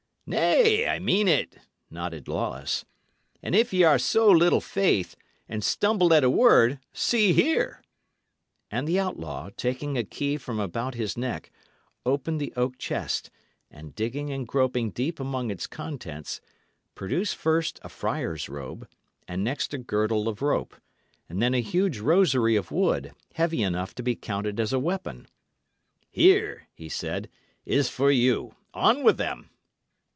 "Nay, I mean it," nodded Lawless. "And if y' are of so little faith, and stumble at a word, see here!" And the outlaw, taking a key from about his neck, opened the oak chest, and dipping and groping deep among its contents, produced first a friar's robe, and next a girdle of rope; and then a huge rosary of wood, heavy enough to be counted as a weapon. "Here," he said, "is for you. On with them!"